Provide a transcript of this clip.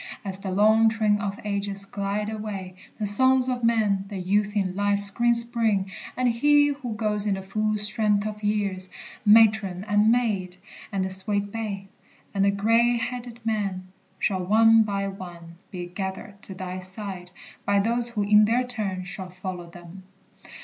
As the long train Of ages glide away, the sons of men The youth in life's green spring, and he who goes In the full strength of years, matron and maid, And the sweet babe, and the gray headed man Shall, one by one, be gathered to thy side By those who in their turn shall follow them.